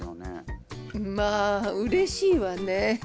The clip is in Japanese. まあうれしいわね。